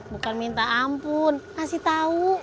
bukan minta ampun ngasih tahu